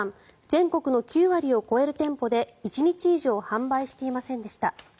全国の９割を超える店舗で１日以上販売していませんでした。